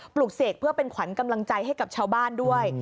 ปลูกเสกเพื่อเป็นขวัญกำลังใจให้กับชาวบ้านด้วย